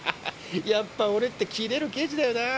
やっぱ俺って切れる刑事だよなぁ。